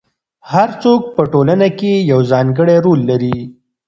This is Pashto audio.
هر څوک په ټولنه کې یو ځانګړی رول لري.